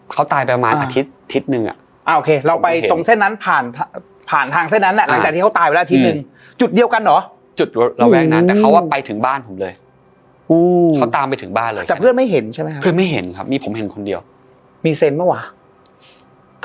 เขาตายประมาณอาทิตย์อาทิตย์หนึ่ง